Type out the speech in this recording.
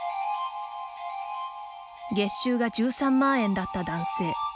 月収が１３万円だった男性。